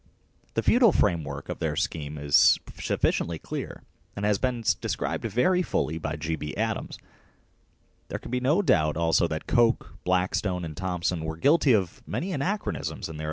The feudal framework of their scheme is sufficiently clear and has been described very fully by G. B. Adams. There can be no doubt also tha t t Coke, Blackstone, and Thomson were guilty of many anachronisms in their